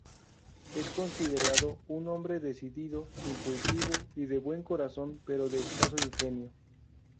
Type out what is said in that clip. Es considerado un hombre decidido, impulsivo y de buen corazón pero de escaso ingenio.